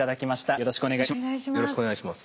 よろしくお願いします。